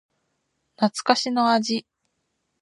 懐かしの味